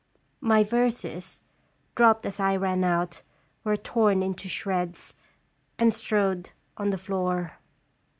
My verses, dropped as I ran out, were torn into shreds, and strewed on the floor.